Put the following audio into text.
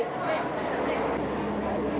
wow yang baru